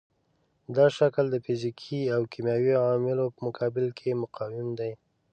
دا شکل د فزیکي او کیمیاوي عواملو په مقابل کې مقاوم دی.